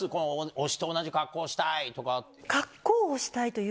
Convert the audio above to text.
推しと同じ格好したいとか。